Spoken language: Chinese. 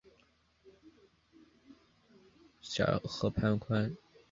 塞尔河畔宽。